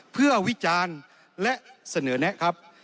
เพื่อวิจารณ์และเสนอแนะครับ